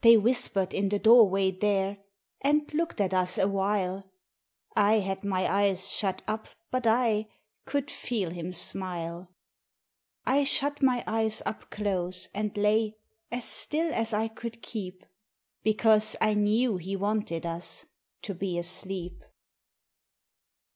They whispered in the doorway there, And looked at us awhile. I had my eyes shut up; but I Could feel him smile. I shut my eyes up close, and lay As still as I could keep; Because I knew he wanted us To be asleep.